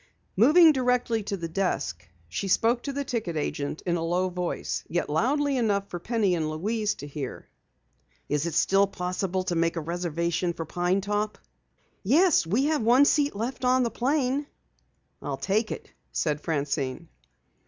Moving directly to the desk she spoke to the ticket agent in a low voice, yet loudly enough for Penny and Louise to hear. "Is it still possible to make a reservation for Pine Top?" "Yes, we have one seat left on the plane." "I'll take it," said Francine.